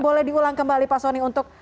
boleh diulang kembali pak soni untuk